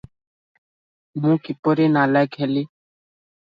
ମୁଁ କିପରି ନାଲାଏକ ହେଲି?